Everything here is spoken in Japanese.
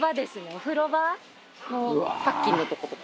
お風呂場のパッキンのとことか。